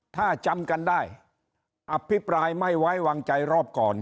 ถ้าจำกันได้อภิปรายไม่ไว้วางใจรอบก่อน